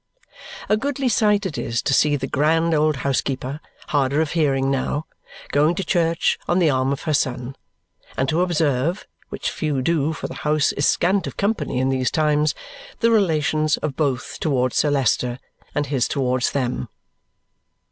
A goodly sight it is to see the grand old housekeeper (harder of hearing now) going to church on the arm of her son and to observe which few do, for the house is scant of company in these times the relations of both towards Sir Leicester, and his towards them.